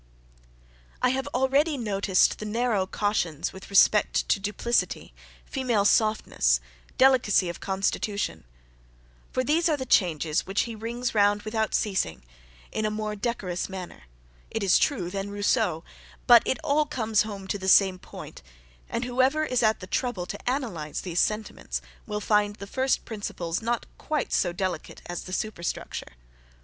I have already noticed the narrow cautions with respect to duplicity, female softness, delicacy of constitution; for these are the changes which he rings round without ceasing, in a more decorous manner, it is true, than Rousseau; but it all comes home to the same point, and whoever is at the trouble to analyze these sentiments, will find the first principles not quite so delicate as the superstructure.